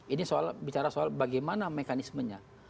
ini bicara soal bagaimana mekanismenya